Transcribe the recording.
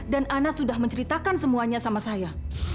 dan ana sudah menceritakan semuanya sama saya